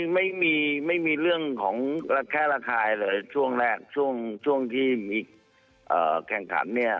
ไม่มีไม่มีเรื่องของระแคะระคายเลยช่วงแรกช่วงที่มีแข่งขันเนี่ย